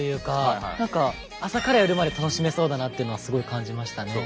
何か朝から夜まで楽しめそうだなっていうのはすごい感じましたね。